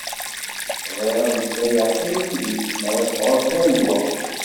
Bɣiɣ ad meslayeɣ kra yid-k m'ara tesεuḍ kra n lweqt.